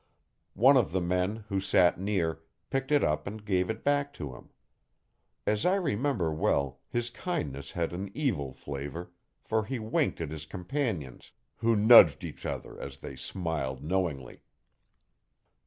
One of the men, who sat near, picked it up and gave it back to him. As I remember well, his kindness had an evil flavour, for he winked at his companions, who nudged each other as they smiled knowingly.